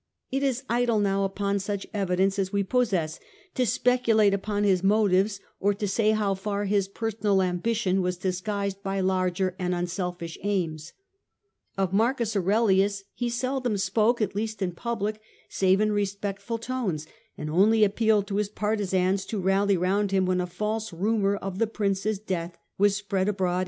It is idle now upon such evidence as we possess to speculate upon his motives, or to say how far personal We know ambition was disguised by larger and unselfish little of the aims. Of Marcus Aurelius he seldom spoke, motives of ,.,./• t I the move at least lu public, save in respectful tones, and Sion^fJled^ only appealed to his partisans to rally round A.n 175 him when a false rumour of the prince's death was spread abroad.